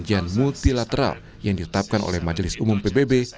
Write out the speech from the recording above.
ujian multilateral yang ditetapkan oleh majelis umum pbb